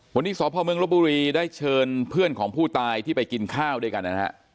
วันนี้สพเมืองลบบุรีได้เชิญเพื่อนของผู้ตายที่ไปกินข้าวด้วยกันนะฮะ